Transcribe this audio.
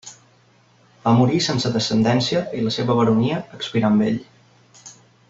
Va morir sense descendència i la seva baronia expirà amb ell.